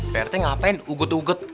pak rt ngapain ugut ugut